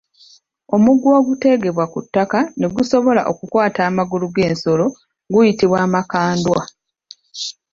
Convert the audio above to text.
Omuguwa ogutegebwa ku ttaka ne gusobola okukwata amagulu g’ensolo guyitibwa Amakandwa.